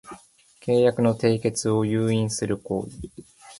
契約の締結を誘引する行為